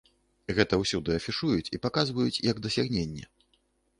Гэта ўсюды афішуюць і паказваюць як дасягненне.